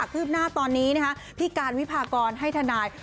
ขึ้นหน้าตอนนี้พี่การวิพากรให้ทนาย